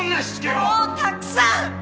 もうたくさん！